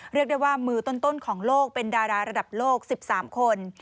เรียกได้ว่ามือต้นของโลกเป็นดาราระดับโลก๑๓คน